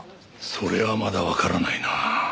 それはまだわからないな。